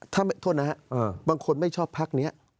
ถ้าบางคนไม่ชอบภักดิ์นี้